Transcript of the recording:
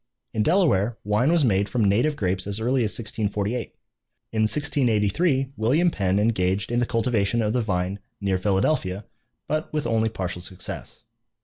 In Delaware wine was made from native grapes as early as 1648. In 1683 William Penn engaged in the cultivation of the vine near Philadelphia, but with only partial success.